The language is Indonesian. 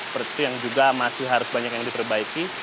seperti itu yang juga masih harus banyak yang diperbaiki